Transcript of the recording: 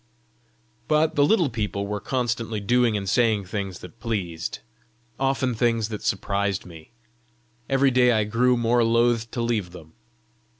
But the little people were constantly doing and saying things that pleased, often things that surprised me. Every day I grew more loath to leave them.